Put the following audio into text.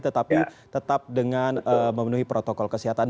tetapi tetap dengan memenuhi protokol kesehatan